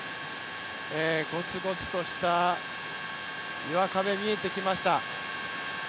ごつごつとした岩壁、見えてきました。